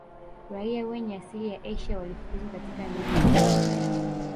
Raia wenye asili ya Asia walifukuzwa katika nchi